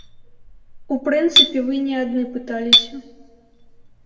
У прынцыпе вы не адны пыталіся.